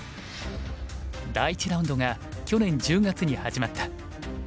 第１ラウンドが去年１０月に始まった。